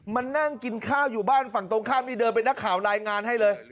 มานั่งกินข้าวอยู่บ้านฝั่งตรงข้ามนี่เดินเป็นนักข่าวรายงานให้เลย